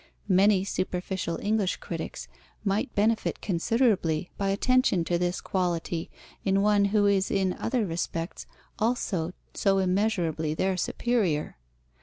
Many superficial English critics might benefit considerably by attention to this quality in one who is in other respects also so immeasurably their superior.